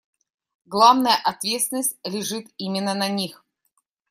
Главная ответственность лежит именно на них.